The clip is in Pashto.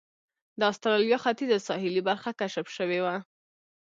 د اسټرالیا ختیځه ساحلي برخه کشف شوې وه.